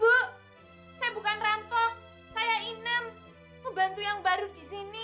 maafkan saya saya bukan rantok saya inem pembantu yang baru di sini